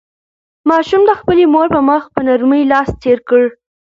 ماشوم د خپلې مور په مخ په نرمۍ لاس تېر کړ.